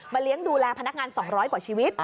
เลี้ยงดูแลพนักงาน๒๐๐กว่าชีวิต